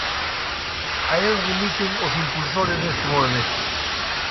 A el remiten os impulsores deste movemento.